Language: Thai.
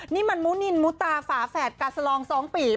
นี่มันมุนินมุตาฝาแฝดกาสลอง๒ปี